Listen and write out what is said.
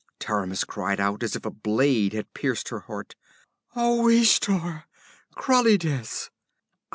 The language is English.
Taramis cried out as if a blade had pierced her heart. 'Oh, Ishtar! Krallides!'